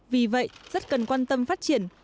vì vậy rất cần quan tâm phát triển